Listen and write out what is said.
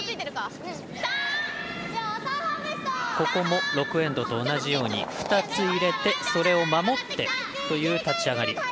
ここも６エンドと同じように２つ入れて、それを守ってという立ち上がり。